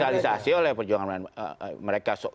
dikapitalisasi oleh perjuangan mereka